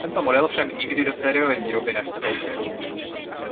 Tento model však nikdy do sériové výroby nevstoupil.